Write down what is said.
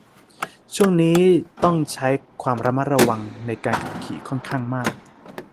ช่วงนี้ต้องใช้ความระมัดระวังในการขับขี่ค่อนข้างมาก